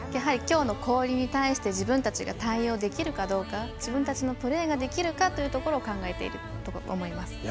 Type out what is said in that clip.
きょうの氷に対して自分たちが対応できるかどうか自分たちのプレーができるかどうかっていうところを考えていると思います。